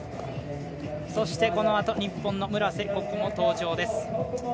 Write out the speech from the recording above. そしてこのあと日本の村瀬心椛、登場です。